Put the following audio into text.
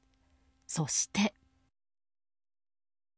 そして。